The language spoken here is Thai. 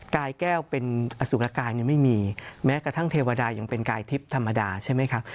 กายแก้วเป็นอสุรกายยังไม่มีแม้กระทั่งเทวดายังเป็นกายทิพย์ธรรมดาใช่ไหมครับ